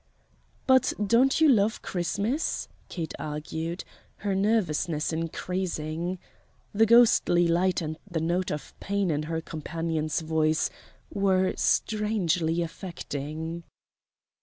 "But don't you love Christmas?" Kate argued, her nervousness increasing. The ghostly light and the note of pain in her companion's voice were strangely affecting.